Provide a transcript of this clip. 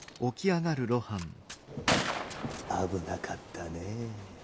・危なかったねぇ。